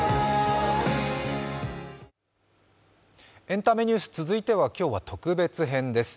エンタメニュース、続いては今日は特別編です。